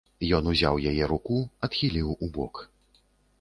Ён узяў яе руку, адхіліў убок.